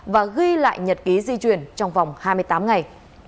và ghi lại nhật ký di chuyển trong vòng hai mươi tám ngày